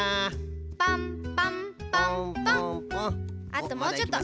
あともうちょっと。